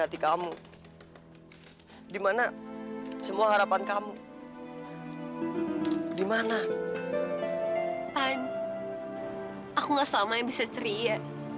aku gak selamanya bisa ceria